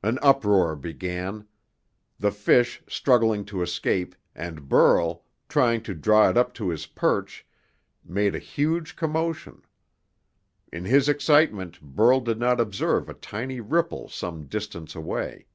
An uproar began. The fish, struggling to escape, and Burl, trying to draw it up to his perch, made a huge commotion. In his excitement Burl did not observe a tiny ripple some distance away.